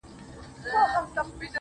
لکه ماسوم بې موره.